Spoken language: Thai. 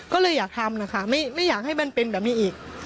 ก็เลยอยากทำนะคะไม่อยากให้มันเป็นแบบนี้อีก